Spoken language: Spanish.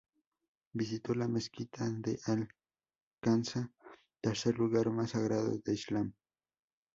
Visitó la mezquita de Al-Aqsa, tercer lugar más sagrado del islam.